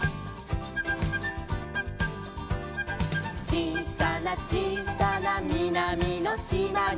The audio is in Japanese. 「ちいさなちいさなみなみのしまに」